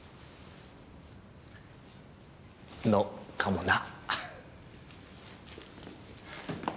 のかもな。